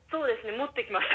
持ってきました。